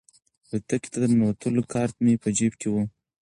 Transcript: الوتکې ته د ننوتلو کارت مې په جیب کې و.